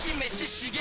刺激！